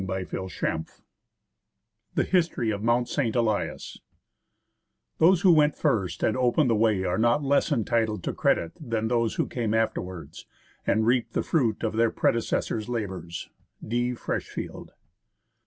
44 < GO CHAPTER IV The History of Mount St. Elias ' "Those who went first and opened the way are not less entitled to credit than those who came afterwards, and reaped the fruit of their predecessors' labours." — D. Freshfield.